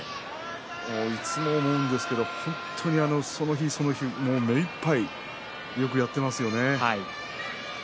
いつも言うんですけど本当にその日その日目いっぱいよくやっていますよね。